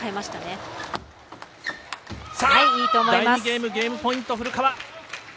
第２ゲームゲームポイント古川。